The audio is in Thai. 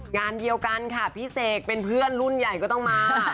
งานเดียวกันค่ะพี่เสกเป็นเพื่อนรุ่นใหญ่ก็ต้องมา